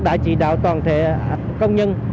đã chỉ đạo toàn thể công nhân